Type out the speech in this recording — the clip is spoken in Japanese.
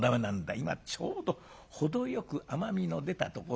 今ちょうど程よく甘みの出たところ。